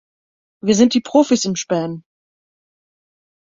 Wir sind die Profis im Spähen.